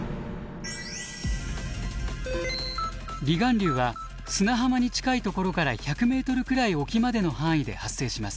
離岸流は砂浜に近いところから１００ｍくらい沖までの範囲で発生します。